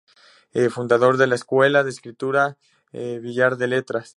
Fundador de la escuela de escritura Billar de letras.